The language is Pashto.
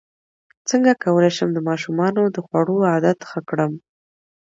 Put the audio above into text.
څنګه کولی شم د ماشومانو د خوړو عادت ښه کړم